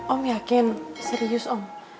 om yakin serius om